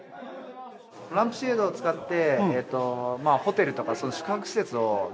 ランプシェードを使ってホテルとか宿泊施設を夜照らすみたいな。